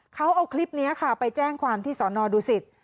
เขาเอาคลิปนี้ค่ะไปแจ้งความที่สอนอดูสิต